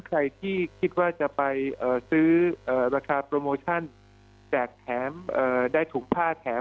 ใครที่คิดว่าจะไปซื้อราคาโปรโมชั่นแจกแถมได้ถุงผ้าแถม